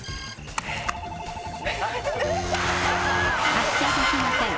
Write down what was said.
発車できません。